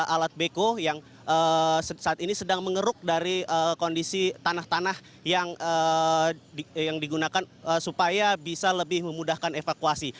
alat beko yang saat ini sedang mengeruk dari kondisi tanah tanah yang digunakan supaya bisa lebih memudahkan evakuasi